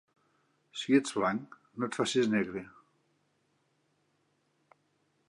Si ets blanc, no et facis negre.